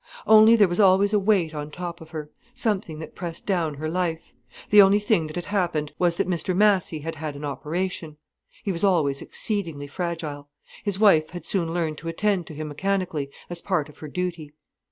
Only, there was always a weight on top of her, something that pressed down her life. The only thing that had happened was that Mr Massy had had an operation. He was always exceedingly fragile. His wife had soon learned to attend to him mechanically, as part of her duty.